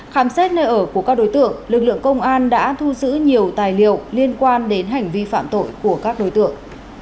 khám xét nơi ở của các đối tượng lực lượng công an đã thu giữ nhiều tài liệu liên quan đến hành vi phạm tội của các đối tượng